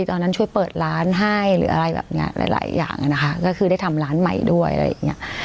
ตอนนั้นช่วยเปิดร้านให้หรืออะไรแบบเนี้ยหลายหลายอย่างนะคะก็คือได้ทำร้านใหม่ด้วยอะไรอย่างเงี้ย